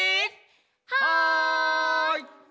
はい！